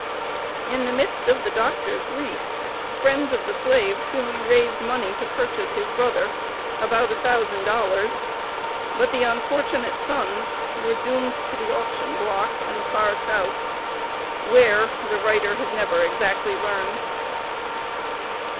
In the midst of the Doctor's grief, friends of the slave soon raised money to purchase his brother, about $1,000; but the unfortunate sons were doomed to the auction block and the far South, where, the writer has never exactly learned.